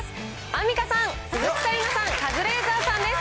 アンミカさん、鈴木紗理奈さん、カズレーザーさんです。